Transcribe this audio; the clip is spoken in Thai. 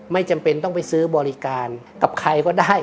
ไม่จำเป็นต้องไปซื้อบริการกับใครก็ได้